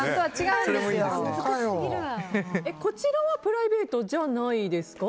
こちらはプライベートじゃないですか？